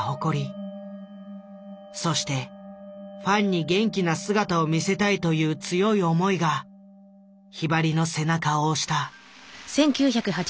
そしてファンに元気な姿を見せたいという強い思いがひばりの背中を押した。